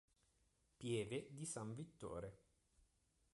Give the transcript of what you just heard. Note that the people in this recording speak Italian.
Pieve di San Vittore